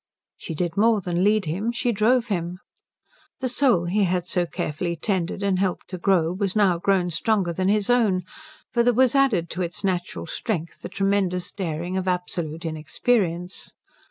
She did more than lead him; she drove him. The soul he had so carefully tended and helped to grow was now grown stronger than his own; for there was added to its natural strength the tremendous daring of absolute inexperience.